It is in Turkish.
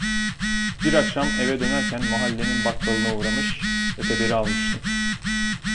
Bir akşam eve dönerken mahallenin bakkalına uğramış, öteberi almıştım.